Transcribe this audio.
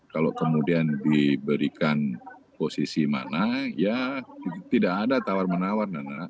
kalau kemudian diberikan posisi mana ya tidak ada tawar menawar nana